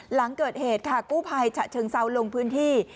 หลังเกิดเหตุค่ะกู้ภัยฉะเชิงเซาลงพื้นที่